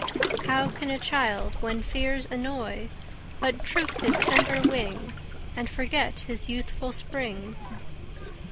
How can a child, when fears annoy, But droop his tender wing, And forget his youthful spring!